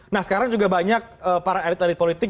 nah sekarang juga banyak para elit elit politik